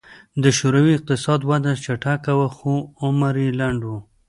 د شوروي اقتصادي وده چټکه وه خو عمر یې لنډ و